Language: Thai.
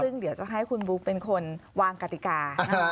ซึ่งเดี๋ยวจะให้คุณบุ๊กเป็นคนวางกติกา